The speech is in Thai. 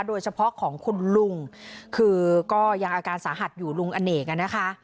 โดยเฉพาะของคุณลุงคือก็ยังอาการสาหัสอยู่ลุงอเนกอ่ะนะคะ